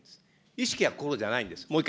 意識や心じゃないんです。